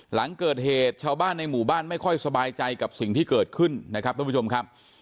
หลังเกิดเหตุชาวบ้านในหมู่บ้านไม่ค่อยสบายใจกับสิ่งที่เกิดขึ้นนะครับท่านผู้ชมครับ